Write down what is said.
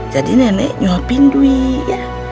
jadi nenek nyuapin dwi ya